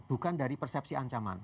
bukan dari persepsi ancaman